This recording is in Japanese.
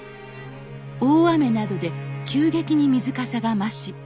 大雨などで急激に水かさが増し